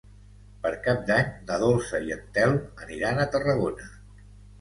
Per Cap d'Any na Dolça i en Telm aniran a Tarragona.